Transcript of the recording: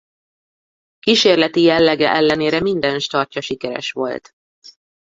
Kísérleti jellege ellenére minden startja sikeres volt.